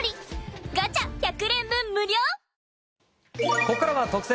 ここからは特選！！